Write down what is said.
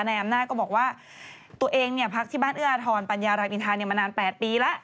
นายแอมน่าก็บอกว่าตัวเองเนี่ยพักที่บ้านเอื้ออาทรปัญญาระบินทาเนี่ยมานาน๘ปีแล้ว